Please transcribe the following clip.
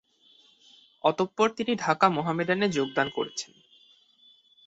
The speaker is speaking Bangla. অতঃপর তিনি ঢাকা মোহামেডানে যোগদান করেছেন।